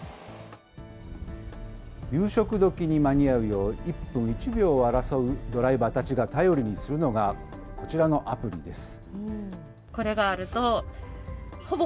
夕食どきに間に合うよう、１分１秒を争うドライバーたちが頼りにするのが、こちらのアプリです。